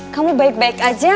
kamu baik baik aja